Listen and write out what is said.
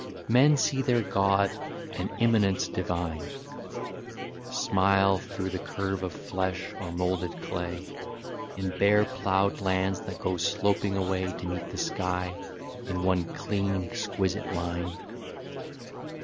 IV. Men see their god, an immanence divine, Smile through the curve of flesh or moulded clay, In bare ploughed lands that go sloping away To meet the sky in one clean exquisite line.